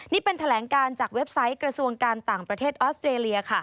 นี่เป็นแถลงการจากเว็บไซต์กระทรวงการต่างประเทศออสเตรเลีย